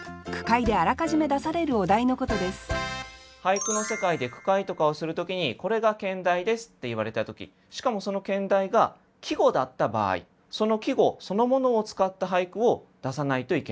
俳句の世界で句会とかをする時にこれが兼題ですって言われた時しかもその兼題が季語だった場合その季語そのものを使った俳句を出さないといけないという。